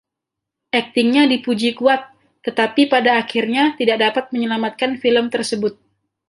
Aktingnya dipuji kuat, tetapi pada akhirnya tidak dapat menyelamatkan film tersebut.